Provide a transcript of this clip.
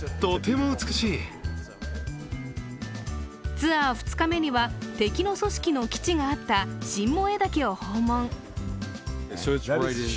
ツアー２日目には、敵の組織の基地があった新燃岳を訪問。